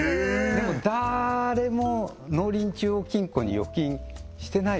でもだーれも農林中央金庫に預金してないでしょ？